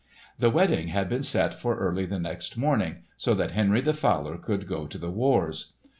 The wedding had been set for early the next morning, so that Henry the Fowler could go to the wars.